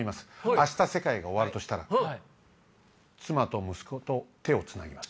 明日世界が終わるとしたら妻と息子と手を繋ぎます。